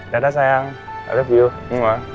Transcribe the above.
dadah sayang i love you